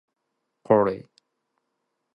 Corey.